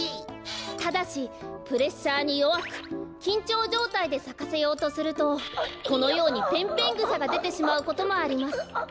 ただしプレッシャーによわくきんちょうじょうたいでさかせようとするとこのようにペンペングサがでてしまうこともあります。